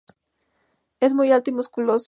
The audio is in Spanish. Es muy alto y musculoso.